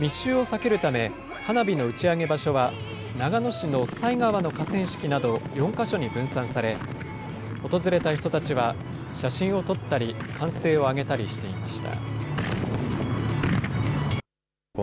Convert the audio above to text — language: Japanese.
密集を避けるため、花火の打ち上げ場所は、長野市の犀川の河川敷など４か所に分散され、訪れた人たちは、写真を撮ったり、歓声を上げたりしていました。